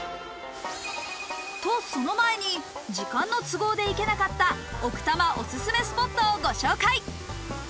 と、その前に時間の都合で行けなかった奥多摩オススメのスポットをご紹介。